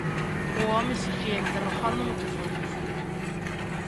O home seguía interrogándome cos ollos.